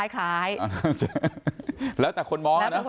คล้าย